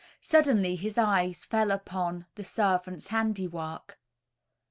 Suddenly his eye fell upon the servant's handiwork.